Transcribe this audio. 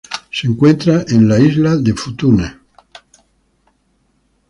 Se encuentra en la isla de Futuna.